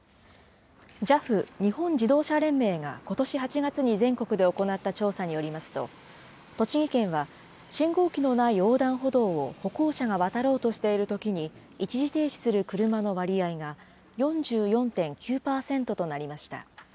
ＪＡＦ・日本自動車連盟がことし８月に全国で行った調査によりますと、栃木県は信号機のない横断歩道を歩行者が渡ろうとしているときに、一時停止する車の割合が、４４．９％となりました。